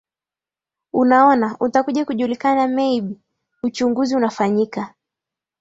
unaona utakuja kujulikana maybe uchuguzi unafanyika